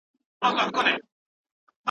که خدای مې ته وې رانه لاړې